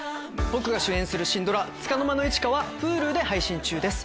僕が主演するシンドラ『束の間の一花』はＨｕｌｕで配信中です。